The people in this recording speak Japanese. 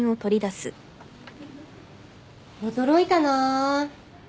驚いたな